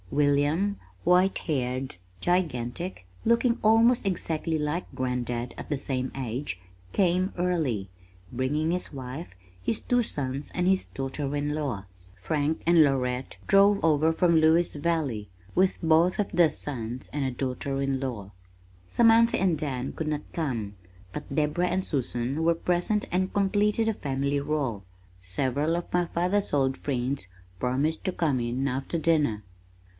William, white haired, gigantic, looking almost exactly like Grandad at the same age, came early, bringing his wife, his two sons, and his daughter in law. Frank and Lorette drove over from Lewis Valley, with both of their sons and a daughter in law. Samantha and Dan could not come, but Deborah and Susan were present and completed the family roll. Several of my father's old friends promised to come in after dinner.